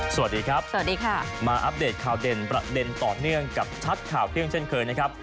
สวัสดีครับสวัสดีค่ะมาอัปเดตข่าวเด่นประเด็นต่อเนื่องกับชัดข่าวเที่ยงเช่นเคยนะครับ